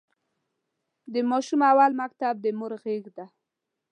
د ماشوم اول مکتب د مور غېږ ده.